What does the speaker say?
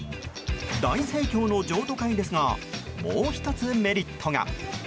大盛況の譲渡会ですがもう１つ、メリットが。